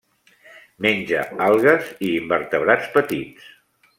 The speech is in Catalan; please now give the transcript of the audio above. Menja algues i invertebrats petits.